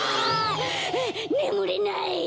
ねむれない！